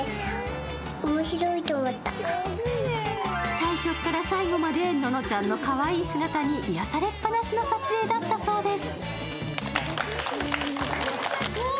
最初から最後までののちゃんのかわいい姿に癒やされっぱなしの撮影だったそうです。